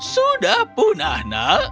sudah punah nak